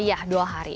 iya dua hari